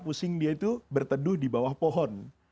pusing dia itu berteduh di bawah pohon